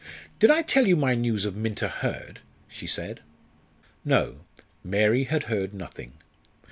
"Did I tell you my news of Minta Hurd?" she said. No; Mary had heard nothing.